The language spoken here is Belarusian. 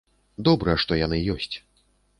Добра, што яны ёсць.